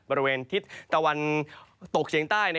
บริเวณทิศตะวันตกเฉียงใต้